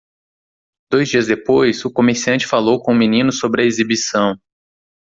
Dois dias depois, o comerciante falou com o menino sobre a exibição.